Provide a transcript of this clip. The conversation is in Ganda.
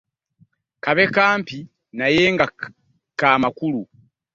Kabe kampi naye nga ka makulu.